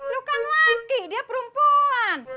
lu kan laki dia perempuan